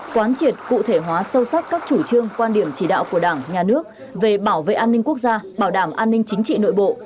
quán triệt cụ thể hóa sâu sắc các chủ trương quan điểm chỉ đạo của đảng nhà nước về bảo vệ an ninh quốc gia bảo đảm an ninh chính trị nội bộ